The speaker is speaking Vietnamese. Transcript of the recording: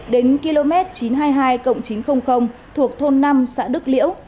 đến km chín trăm hai mươi hai chín trăm linh thuộc thôn năm xã đức liễu